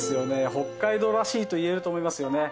北海道らしいといえると思いますよね。